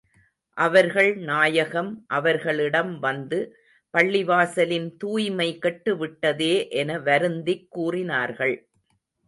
அவர்கள் நாயகம் அவர்களிடம் வந்து, பள்ளிவாசலின் தூய்மை கெட்டு விட்டதே என வருந்திக் கூறினார்கள்.